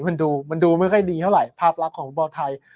มันดูไม่ค่อยดีเท่าไหร่ภาพลักษณ์ของบอร์ดไทย